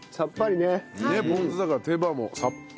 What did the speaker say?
ねっポン酢だから手羽もさっぱり。